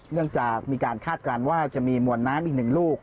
เนื่องจากมีการคาดการณ์ว่าจะมีมวลน้ำอีกหนึ่งลูก